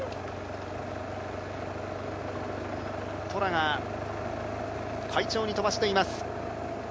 トラが快調に飛ばしています。